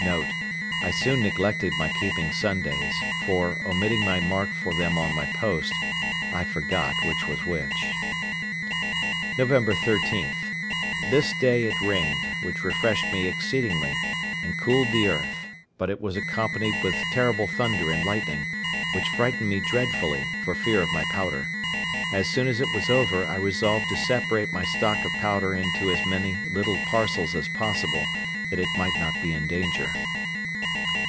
Note.—I soon neglected my keeping Sundays; for, omitting my mark for them on my post, I forgot which was which. Nov. 13.—This day it rained, which refreshed me exceedingly, and cooled the earth; but it was accompanied with terrible thunder and lightning, which frightened me dreadfully, for fear of my powder. As soon as it was over, I resolved to separate my stock of powder into as many little parcels as possible, that it might not be in danger.